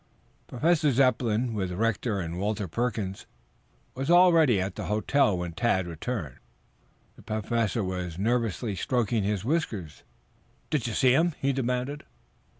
Professor Zepplin, with Rector and Walter Perkins, was already at the hotel when Tad returned. The Professor was nervously stroking his whiskers. "Did you see him?" he demanded.